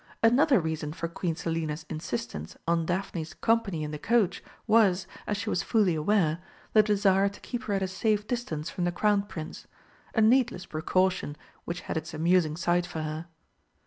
Another reason for Queen Selina's insistence on Daphne's company in the coach was, as she was fully aware, the desire to keep her at a safe distance from the Crown Prince a needless precaution which had its amusing side for her.